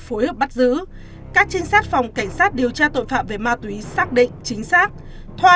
tổ chức bắt giữ các chiến sát phòng cảnh sát điều tra tội phạm về ma túy xác định chính xác thoa